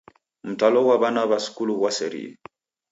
Mtalo ghwa w'ana w'a skulu ghwaserie.